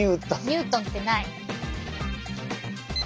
ニュートンってなに？